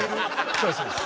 そうですそうです。